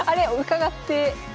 伺って。